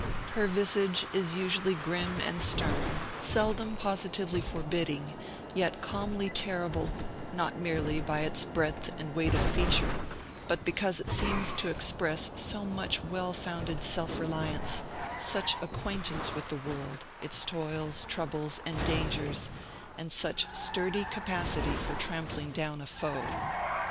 Her visage is usually grim and stern, seldom positively forbidding, yet calmly terrible, not merely by its breadth and weight of feature, but because it seems to express so much well founded self reliance, such acquaintance with the world, its toils, troubles, and dangers, and such sturdy capacity for trampling down a foe.